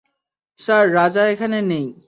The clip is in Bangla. স্যার, রাজা এখানে নেই।